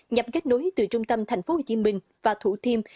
nhập kết nối từ trung tâm tp hcm và thủ thiêm